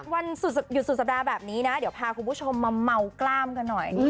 วันหยุดสุดสัปดาห์แบบนี้นะเดี๋ยวพาคุณผู้ชมมาเมากล้ามกันหน่อย